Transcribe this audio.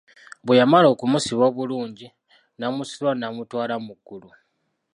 Bwe yamala okumusiba obulungi, n'amusitula n'amutwala mu ggulu.